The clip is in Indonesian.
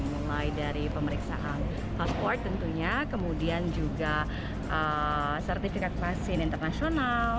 mulai dari pemeriksaan pasport tentunya kemudian juga sertifikat vaksin internasional